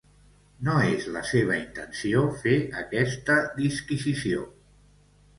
No és la seva intenció fer aquesta disquisició.